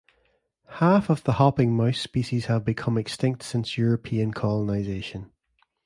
Half of the hopping mouse species have become extinct since European colonisation.